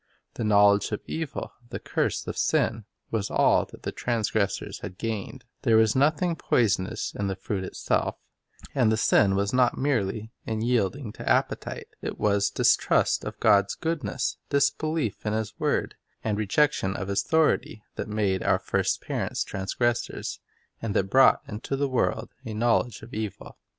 The knowledge of evil, the curse of sin, was all that the transgressors gained. There was nothing poisonous in the fruit itself, and the sin was not merely in yielding to appetite. It was distrust of God's goodness, disbelief of His word, and rejection of His authority, that made our first parents transgressors, and that brought into the world a knowledge of evil.